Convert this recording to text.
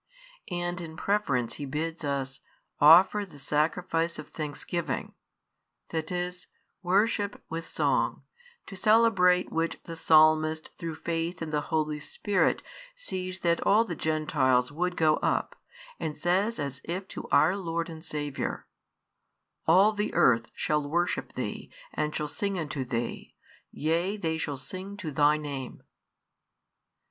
And in preference He bids us offer the sacrifice of thanksgiving, that is, worship with song, to celebrate which the Psalmist through faith in the Holy Spirit sees that all the Gentiles would go up, and says as if to our Lord and Saviour: All the earth shall worship Thee, and shall sing unto Thee; yea they shall sing to Thy name.